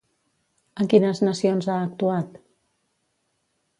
En quines nacions ha actuat?